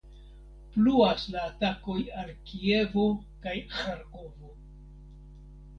Pluas la atakoj al Kievo kaj Ĥarkovo.